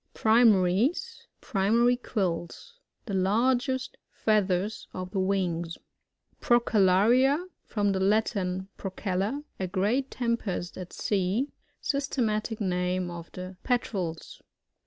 Primaries, (Primary quills.)— The largest feathers of the wings. Prooellaria. — From the Latin, pro cella, a great tempest at sea. Sys tematic name of the Petrels.